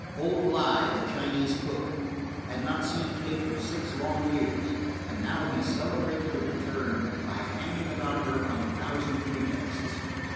Old Li, the Chinese cook, had not seen Kate for six long years, and now he celebrated the return by hanging about her on a thousand pretexts.